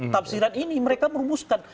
tafsiran ini mereka merumuskan